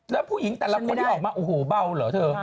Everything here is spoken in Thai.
แล้วผู้หญิงแต่ละคนที่ออกมาโอ้โหเบาเหรอเธอ